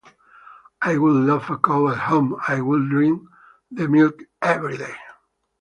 I would love a cow at home. I would drink the milk everyday.